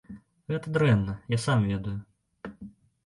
Гэта дрэнна, я сам ведаю.